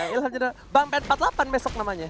ilham junior bang pen empat puluh delapan besok namanya